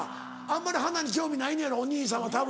あんまり花に興味ないのやろお兄さんはたぶん。